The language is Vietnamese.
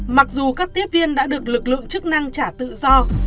mặc dù các tiếp viên đã được lực lượng chức năng trả tự do